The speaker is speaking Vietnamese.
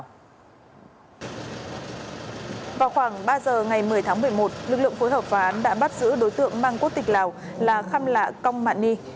vào khoảng ba giờ ngày một mươi tháng một mươi một lực lượng phối hợp phán đã bắt giữ đối tượng mang quốc tịch lào là kham la kong man ni